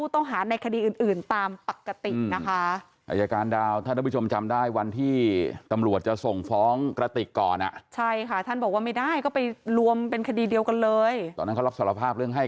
ตอนนั้นเขาเล่าสรภาพเรื่องให้